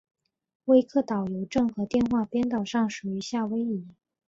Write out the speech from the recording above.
威克岛邮政和电话编制上属于夏威夷。